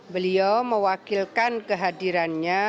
beliau mewakilkan kehadirannya